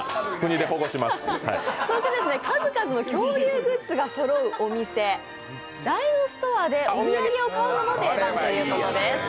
数々の恐竜グッズがそろうお店、ダイノストアでお土産を買うのも定番ということです。